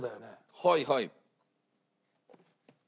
はいはい。